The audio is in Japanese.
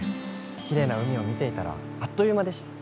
きれいな海を見ていたらあっという間でした。